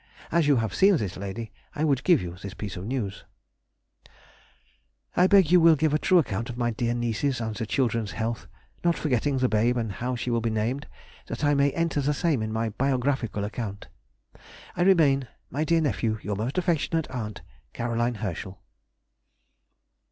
As you have seen this lady, I would give you this piece of news. I beg you will give a true account of my dear niece's and the children's health, not forgetting the babe and how she will be named, that I may enter the same in my biographical account. I remain, my dear nephew, Your most affectionate aunt, CAR. HERSCHEL.